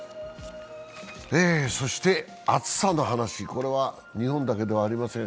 そして暑さの話、これは日本だけではありません。